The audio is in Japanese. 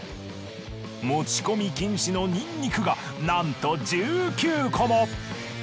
持ち込み禁止のニンニクがなんと１９個も。